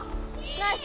ナイス！